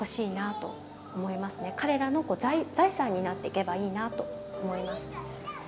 彼らの財産になっていけばいいなと思います。